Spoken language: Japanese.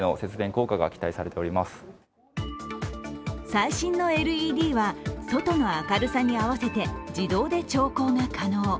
最新のＬＥＤは外の明るさに合わせて自動で調光が可能。